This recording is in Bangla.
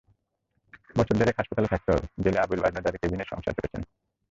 বছর দেড়েক হাসপাতালে থাকতে হবে জেনে আবুল বাজনদারেরা কেবিনেই সংসার পেতেছেন।